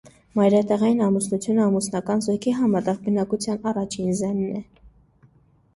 Մայրատեղային ամուսնությունը ամուսնական զույգի համատեղ բնակության առաջին ձեն է։